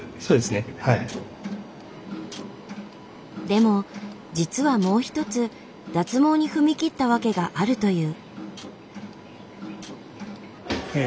でも実はもう一つ脱毛に踏み切った訳があるという。え。